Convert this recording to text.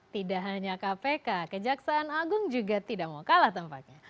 tidak hanya kpk kejaksaan agung juga tidak mau kalah tampaknya